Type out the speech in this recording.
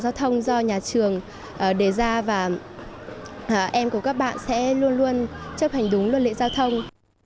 giao thông do nhà trường đề ra và em của các bạn sẽ luôn luôn chấp hành đúng luật lệ giao thông